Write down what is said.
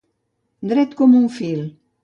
Dret com un fil.